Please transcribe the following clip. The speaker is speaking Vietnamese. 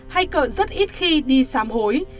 hay cỡ rất ít khi đi xám hối